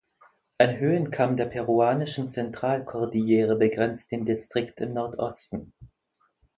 Ein Höhenkamm der peruanischen Zentralkordillere begrenzt den Distrikt im Nordosten.